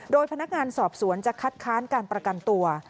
โดยพนักงานสอบสวนจะคัดค้านการประกันตัว